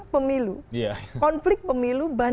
pemilu konflik pemilu